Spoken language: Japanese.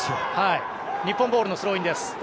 日本ボールのスローインです。